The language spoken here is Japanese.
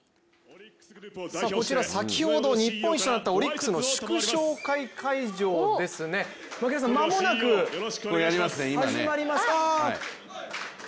こちら先ほど日本一となったオリックスの祝勝会会場ですね、間もなく始まります。